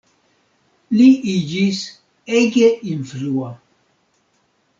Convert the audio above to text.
Li iĝis ege influa.